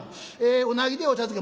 「うなぎでお茶漬け」。